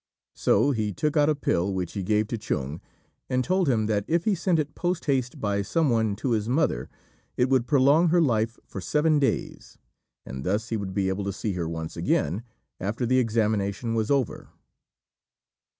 So he took out a pill which he gave to Chung, and told him that if he sent it post haste by some one to his mother, it would prolong her life for seven days, and thus he would be able to see her once again after the examination was over.